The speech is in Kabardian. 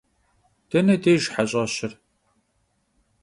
Dene dêjj heş'eşır?